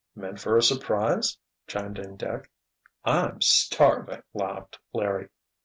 "Meant for a surprise?" chimed in Dick. "I'm starving," laughed Larry.